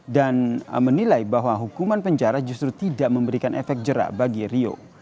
menilai bahwa hukuman penjara justru tidak memberikan efek jerak bagi rio